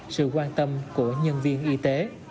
sự quan tâm của nhân viên y tế